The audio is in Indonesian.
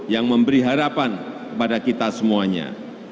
yang memberi harapan kepada kita semuanya